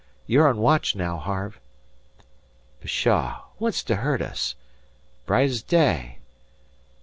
You're on watch now, Harve." "Pshaw! What's to hurt us? Bright's day.